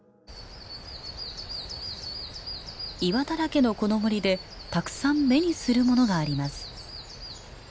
岩だらけのこの森でたくさん目にするものがあります。